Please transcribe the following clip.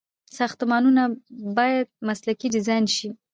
ساختمانونه باید مسلکي ډيزاين شي.